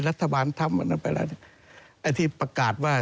รัฐบาลทำมันไปแล้วนะครับไอ้ที่ประกาศว่า